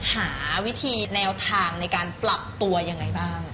หาวิธีแนวทางในการปรับตัวยังไงบ้าง